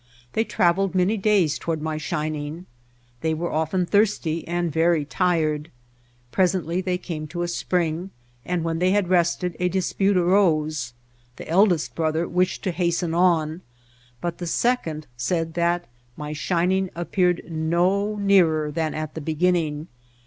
They trav eled many days toward my shining. They were often thirsty and very tired. Presently they came to a spring, and when they had rested [6i] White Heart of Mojave a dispute arose. The eldest brother wished to hasten on, but the second said that my shining appeared no nearer than at the beginning.